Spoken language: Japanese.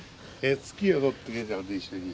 月を撮ってくれたんだよ一緒に。